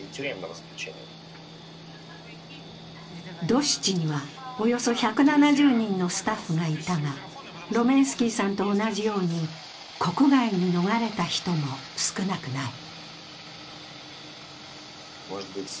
ドシチにはおよそ１７０人のスタッフがいたがロメンスキーさんと同じように国外に逃れた人も少なくない。